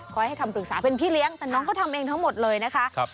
ให้คำปรึกษาเป็นพี่เลี้ยงแต่น้องเขาทำเองทั้งหมดเลยนะคะ